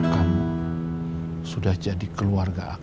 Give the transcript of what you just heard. kamu sudah jadi keluarga aku